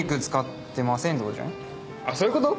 そういうこと？